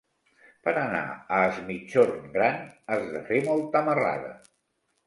Per anar a Es Migjorn Gran has de fer molta marrada.